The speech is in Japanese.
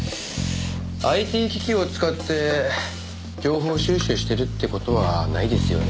ＩＴ機器を使って情報収集してるって事はないですよね。